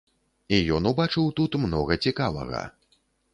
І ён убачыў тут многа цікавага.